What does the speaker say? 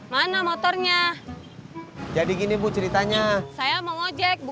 saya mau hukum diri saya sendiri